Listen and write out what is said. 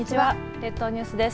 列島ニュースです。